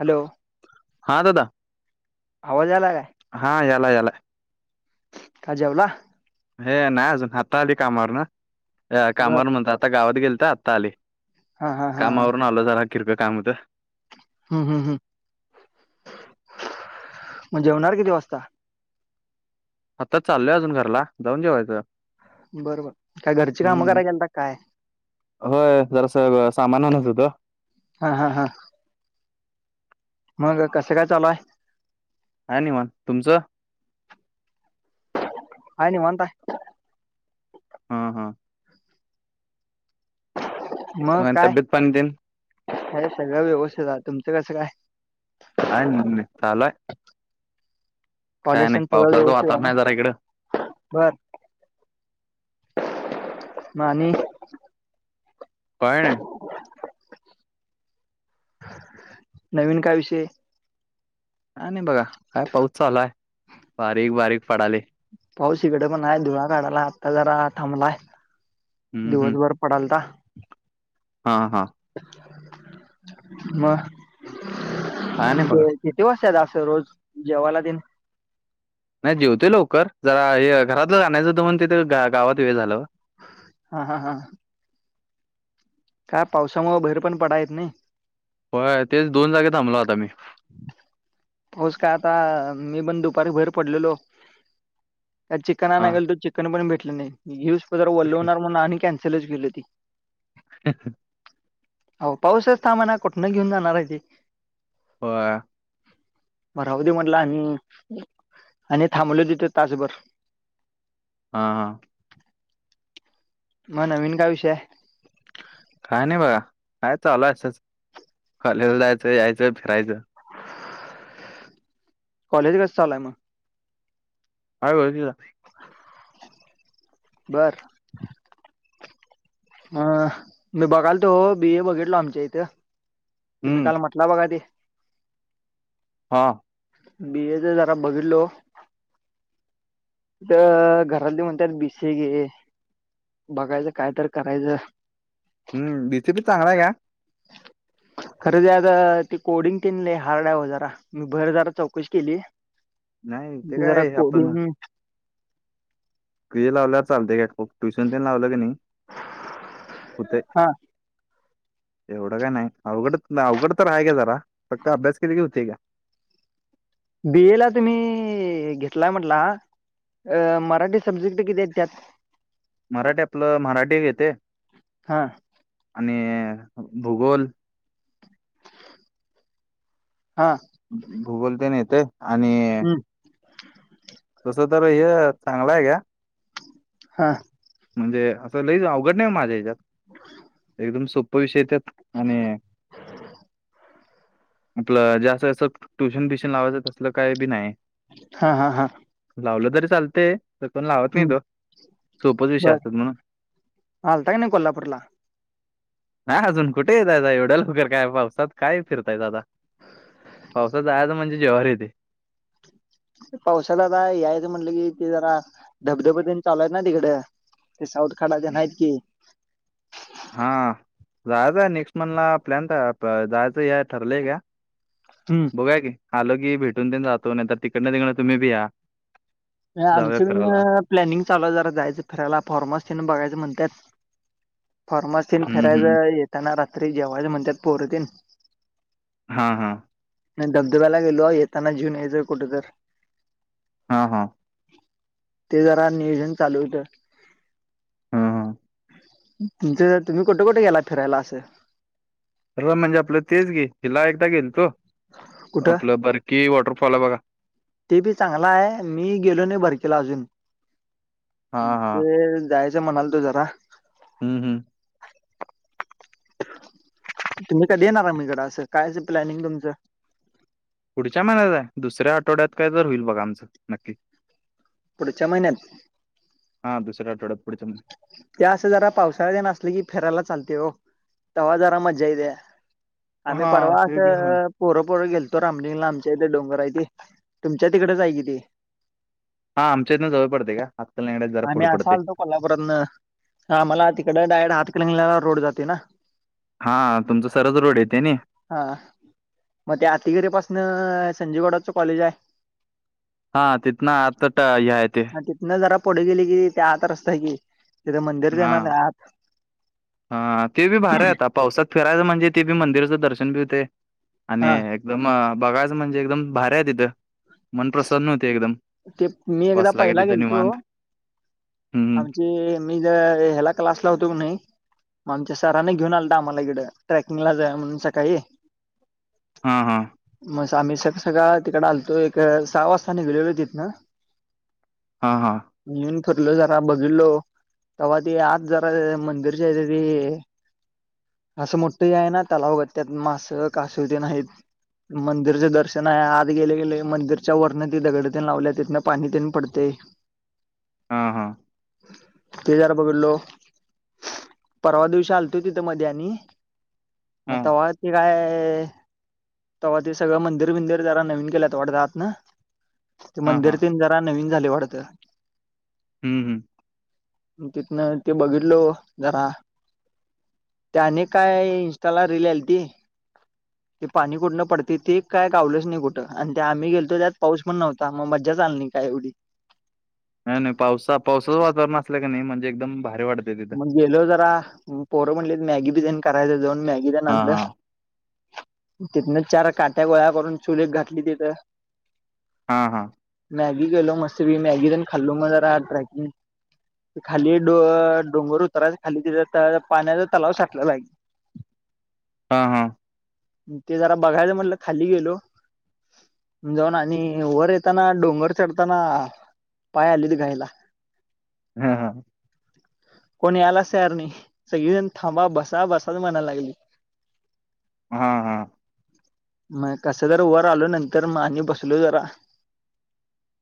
Hello हा दादा आवाज यालाय काय हा यालाय यालाय काय जेवला हे नाही अजून आत्ता आलोय कामावरनं बर कामावर म्हणतो आता गावात गेलतो आत्ता आलोय हा हा हा काम हा आवरून आलो जरा किरकोळ काम होतं हम्म हम्म हम् मग जेवणार किती वाजता आता चालोय अजून घरला जाऊन जेवायचं बर बर काय घरची कामं हम्म कराय गेलता काय होय जरासं सामान आणायचं होतं हा हा हा मग कसं काय चालू आहे हाय निवांत तुमचं हाय निवांत हाय हा हा मग आणि काय तब्येत पाणी तेन हे सगळं व्यवस्थित आहे तुमचं कसं काय हाय चालूय कॉलेज तेण सगळं पावसाचं व्यवस्थित हाय वातावरण आहे जरा इकडं नव्हं बर मग आणि काय नाही नवीन काय विषय काय नाही बघा काय पाऊस चालूय बारीक बारीक पडालय पाऊस इकडं पण आहे धुरळा काढालाय आत्ता जरा थांबलाय हम्म हम्म दिवसभर पडालता हा हा म काय नाही बघा ते दिवस आहे असं रोज जेवा्हाला दिन नाही जेवते लवकर जरा हे घरातलं गायचं तर म्हण तिथे गावात वेळ झालं हा हा हा काय पावसामुळे भैर पण पडाेत नाही होय तेच दोन जागे थांबलो आता मी पाहस का आता मी पण दुपारी भहेर पडलेलो का चिकन हा नाहीेल तर चिकन पण भेटलं नाही हिवस प जर वल्लवणार म्हण आणि कॅन्सलच केली हो ती ह हो पाऊसच थमाना कठण घेऊन जाणार आहे ते ह म राह दे म्हटलं आणि आणि थांबले तिथे तासभर हा हा मग नवीन काय विषय आहे काय नाही बघा काय चालूय असच कॉलेजला जायचं यायचं फिरायचं कॉलेज कसं चालूय मग हो बरं ह मी बघाल तो बी ए बघितलो आमच्या इथं तुम्ही हम्म काल म्हटला बघा ते हा बीएच जरा बघितलो घरातली म्हणत बीसे घे बघायचं काय तर करायचं हम् बीसीपी चांगला आहे का खरं ते आता ते कोडिंग केनले हार्ड आहे व जरा मी भर जरा चौकशी केली नाही ते जरा काय आपण कोडम प जे लावल्या चालते काय ट्युशन ते लावलं की नाही कते हां एवढं का नाही अवघड अवघड तर आहे का जरा फक्त अभ्यास केले की होते का बियला तुम्ही घेतलाय म्हटला अ मराठी सब्जेक्ट किती आहेत त्यात मराठी आपलं मराठी घेते हां आणि भूगोल हा भूगोलपन येते आणि हं, तसं तर ह चांगलं आहे का हा म्हणजे असं लईच अवघड नाही माझ्या या्याच्यात एकदम सोप्प विषय त्यात आणि आपलं जस्ं अस ट्युशन फ्युशन लावायचं तलं काही बी नाही हां हां हां लावलं तरी चालत तर पण लावत नाही हं, तो सोपच विषय बरं असतात म्हणा आलता का नाही कोल्हापूरला? नाही अजून कुठे येतय एवढ्या लोकर काय पावसात काय फिरताय दादा पावसाातय तर म्हणजे जेहर येते पावसाला आता यायचं म्हटलं कि ते जरा धबधबने चालूयत ना तिकडे ते साऊटखाडाचे नाहीत की हा जायचं आहे नेक्स्ट मंथला प्लॅन तर जायचं हे ठरलंय का हम् बघाय की आलो की भेटून दे जातो नाही तर तिकडनं तिकडडे तुम्ही बि या जाऊया आमची फिरायला. पण प्लॅनिंग चालू जरा जायचं फिरायला फॉर्मस ठन बघायं म्हणतात फार्मसीन हम्म फिरायला हम्म येताना रात्री जेवायच म्हणतात पोरतीन हा हा नाही धबधब्याला गेलो येताना जेऊन याचर कुठे तर हा हा ते जरा नियोजन चालू होतं हा हा तुमचं तुमहीुठ कुठे गेला फिरायला असं र म्हणजे आपलं तेच गे हिला एकदा गेल तो कुठं? आपलं बरकी वॉटरफॉल आहे बघा ते बी चांगला आहे मी गेलो नाही बरकीेला अजून हां, हां. ते जायच म्हणाल तो जरा हम्म हम्म तुम्ही काय देणार आ मकडं असं कायचं प्लॅनिंग तुमचं पुढच्या महिन्यात आहे दुसऱ्या आठवड्यात काय तर होईल बघा आमचं नक्की पुढच्या महिन्यात हा दुसऱ आठड्यातडच्या ते असं जरा पावसाळ्या न असले की फेरायला चालते हो तवा जरा म जाय दे्या आम्ही हां, ते परवास बी हां. पोरंपोरं गेलतो रामलीिंगला आमच्या इथे डोंगर आहे ते तुमच्या तिकडेच आहे किती हा आमच्यातथं जवळ पडते का हक्त ललेंगण्यात जरा फ पुढ पडते मलापर्यंत हा मला तिकड डायरेक्ट हातकिंगल्याला रोड जाते ना हा तुमचं सरस रोड येते ना हा मग ते आतिगिरी पाासन संजी गडाच कॉलेज आहे हा तिथना आता हय ते न जरा पुढे गेली कि त्या आत रस्ताय कि तिथे मंदिरच ना त्या आत हा ते बी भहेार आता पावसात फिरायच म्हणजे ते बी मंदिराचं दर्शन बी होते आणि हा एकदम बघायचं म्हणजे एकदम भऱ्या आहे तिथं मन प्र्रसन्नव्हते एकदम ते मी एकदा बसला की पहिला तिथं गेलतो निवांत. हं, हं. आमचे मी ज ह्याला क्लासला होतो की नाही आमच्या सरांने घेऊन आलं आम्हाला इकडं ट्रेकिंगला जाय म्हणून सकाळी हा हा म आम्ही सगळ सगळं तिकड आलतो एक सहा वाजता निघले तथ ना हा हा म्हून फटलं जरा बघितलो तेव्हा ते आज जरा मंदिरच्या आहेथ ती असं मोठं आहे ना त्याला अघत त्यात मासं कासव ते नाहीत मंदिरचे दर्शन आहे आज गेले गेले मंदिरच्या वरन तिथकडे त लावल्या तिं पाणी ते पडते हा हा तेजरा बघडलो परवा दिवशी आलतोय तिथं मध्ये आणि मग हां, त्हा ते काय तेव्हा ते सगळं मंदिर बिंदिर जरा नवीन केल्यात वाढतात ना ते हां, मंदिर हां. तन जरा नवीन झाले वाढत हम् हम् तिथन ते बघितलो जरा त्याने काय इं्स्टाला रिल आलती ते पाणी कुठणं पडते ते काय गव लंच नाही कुठं आणि आम्ही गेलो त्यात पाऊस पण नव्हता मग मजा चालली का एवढी नाही नाही पावसाचा पावसाचं वातावरण असलं का नाही म्हणजे एकदम भारी वाटते तिथं मग गेलो जरा पोरं म्हणटले मॅगी बी जान करायचं जाऊन मॅगी हा देनलं हा. तिथन चार काट्या गोळ्या करून चुले घातली तिथं हा हा मॅगी गेलो मस्त मी मॅगी जण खाल्लो मग जरा ट्रॅकिंग खाली रडोंगर उतरायच खाली पाण्याचा तलाव साठला लागेल हा हा ते जरा बघायच म्हटलं खाली गेलो जाऊ ना आणि वर येताना डोंगर चढताना पाय आलेत घाईला हा हा कोणी आला सयार नाही सगळीजण थांबा बसा बसात म्हणायला लागली. हा हा. मग कसं जर वर आलो नंतर मग आणि बसलो जरा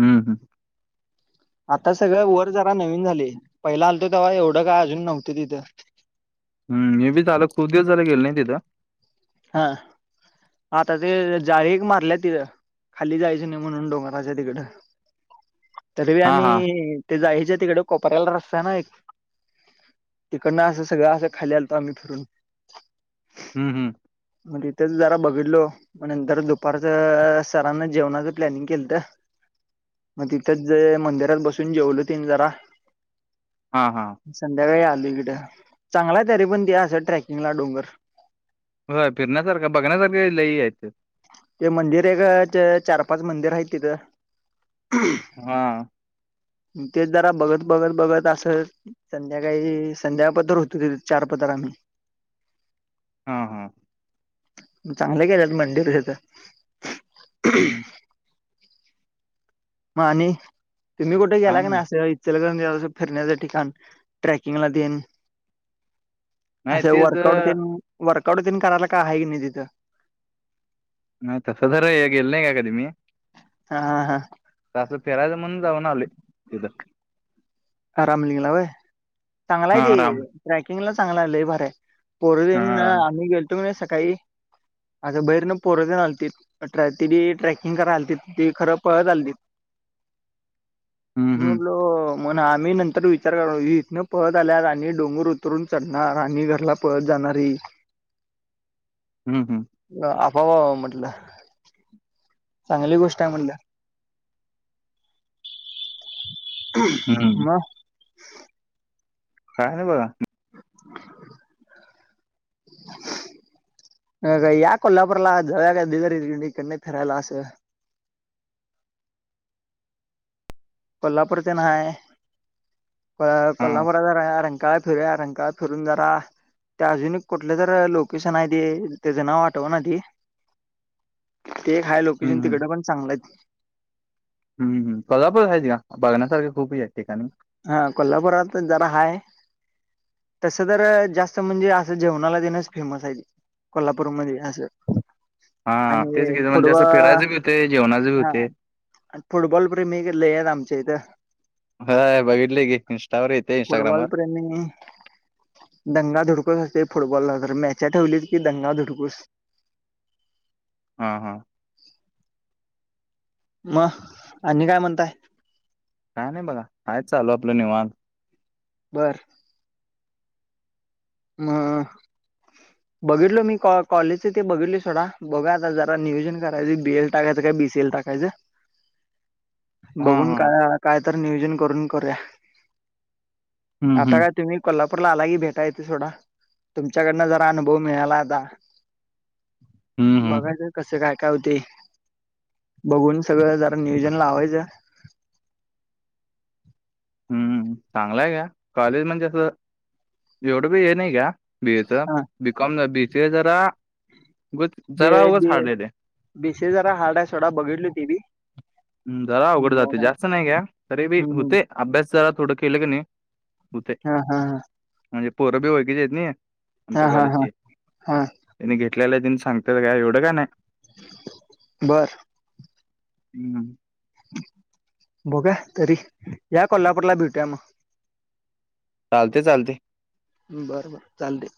हम् हम. आता सगळ वर जरा नवीन झाले पहिला आलतो तेव्हा एवढं काय अजून नव्हतं तिथं. हम मी बी झाला खूप दिवस झाले गेले ना तिथं. हा. आता ते जाळीक मारल्या तिथं खाली जायची नाही म्हणून डोंगराच्या तिकडं. तरी ब हा हा. आम्ही ते जायच्या तिकडे कोपऱ्याला रस्ता ना एक इकडनं सगळं खा आलो आम्ही फिरून हम्म हम्. मग तिथेच जरा बघितलो. मगंतर दुपारचं सरांना जेवणाचं प्लॅनिंग केलं तर मग तिथेच जे मंदिरात बसून जेवलं तीन जरा हा हा. संध्याकाळी आल इकडें चांगलाय तरी पण ते सं ट्रेकिंगला डोंगर होय फिरण्यासारखं बघण्यासारखे ल आहेत. ते मंदिर एक चार पाच मंदिर आहे तिथं. हा. तेच जरा बघत बघत बघत असं. संध्याकाळी संध्या पदर होतो तेथ चार पदर आम्ही हा हा. चांगले गेल्यात मंडिर तर हम्म मग आणि तुम्ही कुठे गेला छान का आहे. नाही असं. चसं फिरण्याचं ठिकाण ट्रॅकिंगला देन. नाही अ तेच अं, वर्कआउट वर्कउट तन करायला काय आहे की नाही तिथं. आयता सधरयग एल्ादी मी हा हा हा. तं फिरायचं म्हणून जाऊन आले तथं. आराम लिंगला भाय चांगला आहे हा राम ते ट्रॅकिंगला चांगला लय फार आहे. पोर हा दिन आम्ही गेलतो नाही सकाळी आता बहिरण पोरत आती तिी ट्रेकिंग कराय आती ती खरं पळत आलती. हम्म हम्म मलो. मण आम्ही नंतर विचार करी इथनं पळत आल्या आणि डोंगर उतरून चढणार आणि घरला पळत जाणारी [inaudible] हम् हम्. आफवा म्हटलं. चांगली गोष्ट आहे म्हणल्या. हम्म हम्म [unintelligible] काय ना बघ. [unintelligible] [inaudible] अ का याक को्हापूरला जाव द कड फिरायला असं. कोल्हापूर ते नाय. हा कोल्हापुरात जरा रंकाळा फिरूया रंकाळा फिरून जरा ते अजून एक कुठलं तर लोकेशन आहे ते त्याचं नाव आठव ना ते ते हाय लोकेशन हम्म हम्म. तिकड पण चांगलं आहेत. हम हम कोल्हापूर आहेत घ्या बघण्यासारख खूप हे आहेत ठिकाणी हा कोल्हापुरात जरा हाय. तसं तर जास्त म्हणजे असं जेवणाला देणंच फेमस आहे. कोल्हापूरमध्ये असं. हा तेच आणि की म्हणजे असं फुटबॉल फिरायचं बी होतय जेवणाच बी हा होतय. फुटबॉल प्रेमी एक लय आहेत आमच्या इथं. होय बघितलो की इंस्टावर येत. फुटबॉल प्रेमी, दंगा धुडकूस असतय फुटबॉलला तर मॅच्या ठेवलीत की दंगा धुडकूस. हा हा मग आणि काय म्हणताय. काय नाही बघा आहे चालू आपलं निवांत. बरं म बघितलो मी कॉ कॉलेजचे ते बघितलो सोडा बघूया आता जरा नियोजन करायच बी ए टाकायचं काय बी सी ए ला टाकायचं. हा बघून हा काय काय तर नियोजन करून करूया. हम्म आता हम्म काय तुम्ही कोल्हापूर ला आला की भेटाय. सोडा तुमच्याकडन जरा अनुभव मिळाला आता हम्म हम्म बघायच. कसं काय काय होतय बघून सगळं जरा नियोजन लावायचं. हम्म चांगलाय का कॉलेज म्हणजे असं एवढं बी हे नाही का. बी एच हा B com B C A जरा उगच. बे जरा उगच बी हार्ड येते बि सी ए जरा हार्ड आहे सोडा बघडलो ते बी जरा अवघड जातय हम्म जास्त नाही घ्या तरी बी होतय अभ्यास जरा थोडं केले की नाही. हुतंय हा हा हा म्हणजे पोर बी ओळखीची हायत नयी. हा आमच्या हा हा कॉलेजची हा त्यांनी घेतलेला त्यांनी सांगत्यात काय एवढं का नाही. बर हम्म बघूया तरी या कोल्हापूरला भेटूया मग. चालतय चालते बरं बर चालते.